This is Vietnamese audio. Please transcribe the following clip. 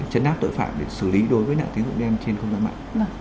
chấn áp tội phạm để xử lý đối với nạn tín dụng đen trên không gian mạng